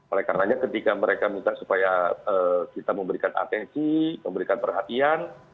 oleh karenanya ketika mereka minta supaya kita memberikan atensi memberikan perhatian